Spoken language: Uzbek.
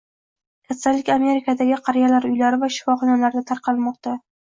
Kasallik Amerikadagi qariyalar uylari va shifoxonalarda tarqalmoqda